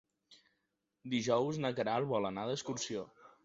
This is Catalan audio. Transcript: Dijous na Queralt vol anar d'excursió.